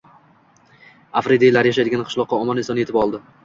— afridiylar yashaydigan qishloqqa omon-eson yetib oldi.